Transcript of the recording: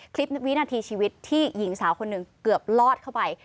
วินาทีชีวิตที่หญิงสาวคนหนึ่งเกือบลอดเข้าไป